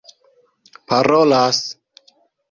parolas